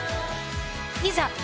いざ